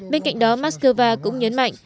bên cạnh đó moscow cũng nhấn mạnh